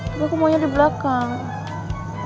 tapi aku maunya di belakang